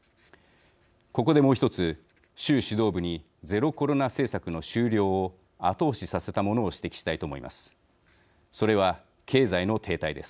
ここでもう１つ、習指導部にゼロコロナ政策の終了を後押しさせたものを指摘したいと思います。